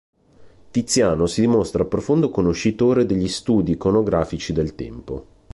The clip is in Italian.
Tiziano si dimostra profondo conoscitore degli studi iconografici del tempo.